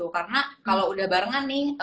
karena kalo udah barengan nih